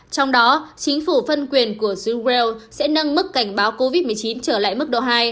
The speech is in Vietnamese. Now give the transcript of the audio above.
trong đó chính phủ phân quyền của jean well sẽ nâng mức cảnh báo covid một mươi chín trở lại mức độ hai